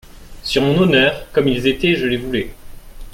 Sur mon honneur, comme ils étaient je les voulais.